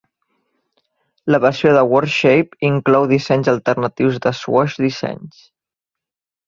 La versió de Wordshape inclou dissenys alternatius de swash dissenys.